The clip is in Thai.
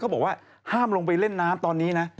บอกว่าห้ามลงไปเล่นน้ำตอนนี้นะ